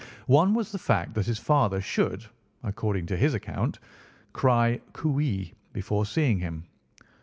One was the fact that his father should, according to his account, cry 'Cooee!' before seeing him.